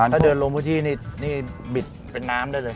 ถ้าเดินลงพื้นที่นี่บิดเป็นน้ำได้เลย